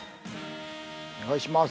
お願いします。